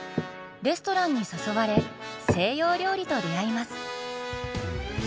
レストランに誘われ西洋料理と出会います。